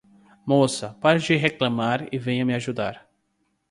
Moça, pare de reclamar e venha me ajudar.